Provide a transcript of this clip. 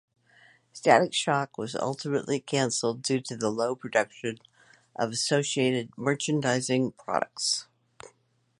"Static Shock" was ultimately cancelled due to the low production of associated merchandising products.